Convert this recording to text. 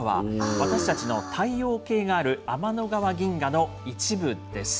私たちの太陽系がある天の川銀河の一部です。